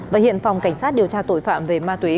và hiện phòng cảnh sát điều tra tội phạm về ma túy